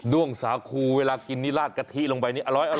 ้วงสาคูเวลากินนี่ลาดกะทิลงไปนี่อร้อย